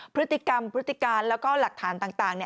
พฤติกรรมพฤติการแล้วก็หลักฐานต่าง